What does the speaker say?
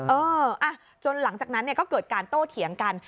เออจนหลังจากนั้นก็เกิดการโต้เถียงกัน